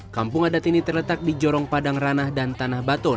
kampung adat ini terletak di jorong padang ranah dan tanah batun